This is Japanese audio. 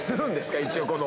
一応この。